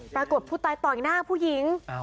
ปรากฏผู้ตายต่อยหน้าผู้หญิง